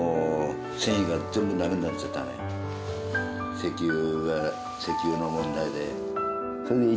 石油石油の問題で。